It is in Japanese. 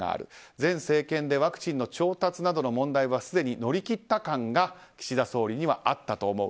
前政権でワクチンの調達などの問題はすでに乗り切った感が岸田総理にはあったと思う。